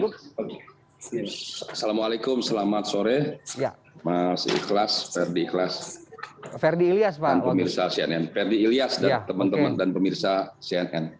assalamualaikum selamat sore mas ikhlas ferdi ilyas dan pemirsa cnn